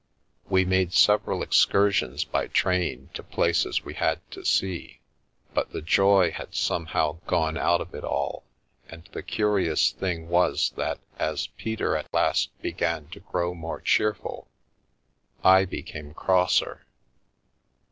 We made several excursions by train to places we had to see, but the joy had somehow gone out of it all, and the curious thing was that as Peter at last began to grow more cheerful, I became crosser.